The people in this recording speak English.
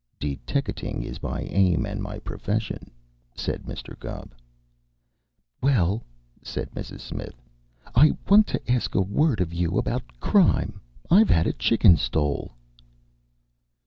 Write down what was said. "Deteckating is my aim and my profession," said Mr. Gubb. "Well," said Mrs. Smith, "I want to ask a word of you about crime. I've had a chicken stole."